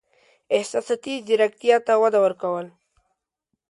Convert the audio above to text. احساساتي زیرکتیا ته وده ورکول: